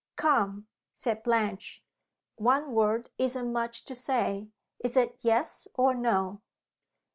"Come!" said Blanche. "One word isn't much to say. Is it Yes or No?"